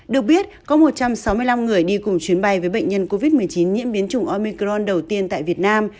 được biết có một trăm sáu mươi năm người đi cùng chuyến bay với bệnh nhân covid một mươi chín nhiễm biến chủng omicron đầu tiên tại việt nam